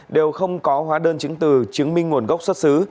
đều không có hóa đơn chứng từ chứng minh nguồn gốc xuất xứ